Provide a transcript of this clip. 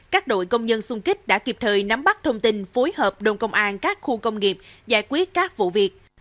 các đội công nhân xung kích đã kịp thời nắm bắt thông tin phối hợp đồng công an các khu công nghiệp giải quyết các vụ việc